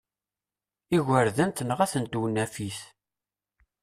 Igerdan tenɣa-ten tewnafit.